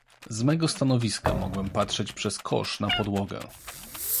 "Z mego stanowiska mogłem patrzeć przez kosz na podłogę."